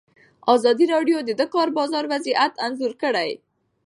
ازادي راډیو د د کار بازار وضعیت انځور کړی.